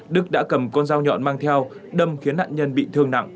đức đã cầm con dao nhọn mang theo đâm khiến nạn nhân bị thương nặng